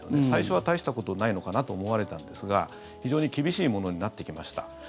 最初は大したことないのかなと思われたんですが非常に厳しいものになってきました。